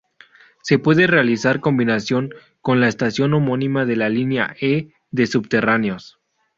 Se puede realizar combinación con la estación homónima de la línea E de subterráneos.